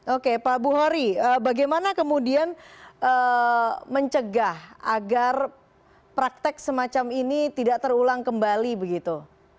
oke pak buhori bagaimana kemudian mencegah agar praktek semacam ini tidak terulang kembali begitu